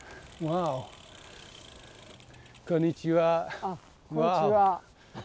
あっこんにちは。